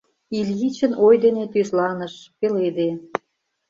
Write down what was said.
Ильичын ой дене тӱзланыш, пеледе